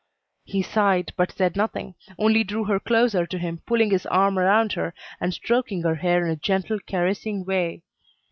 He sighed, but said nothing; only drew her closer to him, pulling his arm around her, and stroking her hair in a gentle, caressing way.